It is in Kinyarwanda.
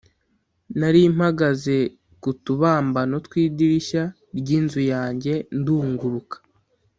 nari mpagaze ku tubambano tw’idirishya ry’inzu yanjye ndunguruka,